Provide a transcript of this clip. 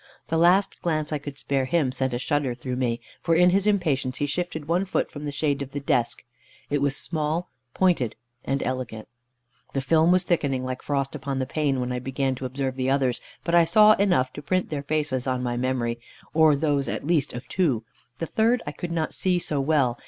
The last glance I could spare him sent a shudder through me, for in his impatience he shifted one foot from the shade of the desk. It was small, pointed, and elegant. The film was thickening, like frost upon the pane, when I began to observe the others. But I saw enough to print their faces on my memory, or those at least of two. The third I could not see so well.